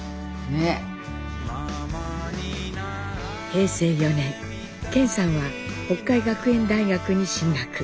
平成４年顕さんは北海学園大学に進学。